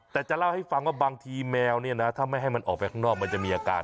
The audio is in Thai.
แต่จะเล่าให้ฟังว่าบางทีแมวเนี่ยนะถ้าไม่ให้มันออกไปข้างนอกมันจะมีอาการ